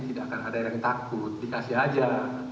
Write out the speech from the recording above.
tidak akan ada yang takut dikasih aja